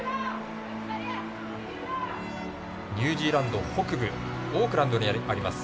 ニュージーランド北部オークランドにあります